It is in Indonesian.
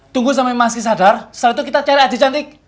tunggu sampai masih sadar setelah itu kita cari adik cantik